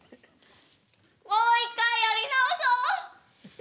もう一回やり直そう！